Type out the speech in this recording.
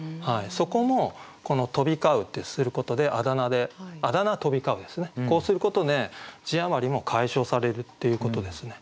そこもこの「飛び交ふ」ってすることで「あだ名飛び交ふ」ですねこうすることで字余りも解消されるっていうことですね。